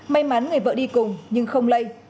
may mắn người vợ đi cùng nhưng không lây